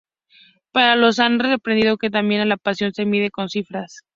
Para los que han aprendido que también la pasión se mide con cifras